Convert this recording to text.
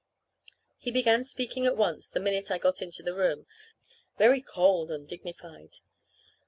He began speaking at once, the minute I got into the room very cold and dignified.